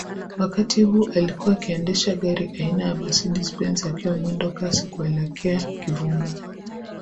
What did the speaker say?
Wakati huu alikuwa akiendesha gari aina ya Mercedes Benz akiwa mwendo kasi kuelekea kivunga